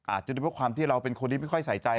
อาจจะได้ว่าความที่เราเป็นคนนี้ไม่ค่อยใส่ใจ